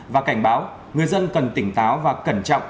và cảnh báo người dân cần tỉnh táo và cẩn trọng